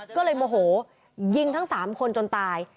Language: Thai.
ก็เลยโมโหยิงทั้ง๓คนจนตาย